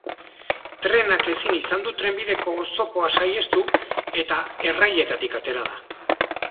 Trenak ezin izan du trenbideko oztopoa saihestu, eta errailetatik atera da.